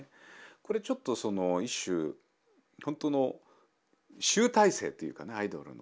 これちょっとその一種ほんとの集大成というかねアイドルの。